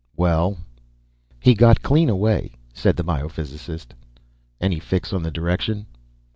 "Well?" "He got away clean," said the biophysicist. "Any fix on the direction?"